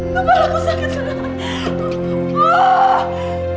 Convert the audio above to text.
kepalaku sakit serang